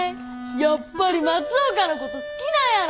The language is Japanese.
やっぱり松岡のこと好きなんやろ。